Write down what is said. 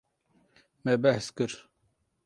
Me behs kir.